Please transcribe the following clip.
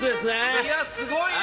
いやすごいね。